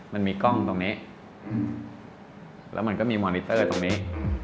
มันมีกล้องตรงนี้แล้วมันก็มีมอนิเตอร์ตรงนี้